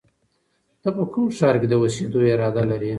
ته په کوم ښار کې د اوسېدو اراده لرې؟